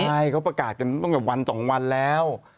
ใช่เขาประกาศกันตั้งแต่วันสองวันแล้ว